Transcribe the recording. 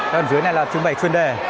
các bạn dưới này là trưng bày chuyên đề